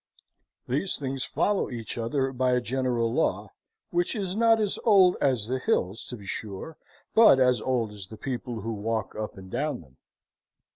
These things follow each other by a general law, which is not as old as the hills, to be sure, but as old as the people who walk up and down them.